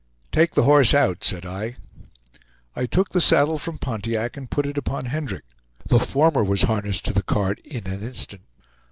"Take the horse out," said I. I took the saddle from Pontiac and put it upon Hendrick; the former was harnessed to the cart in an instant.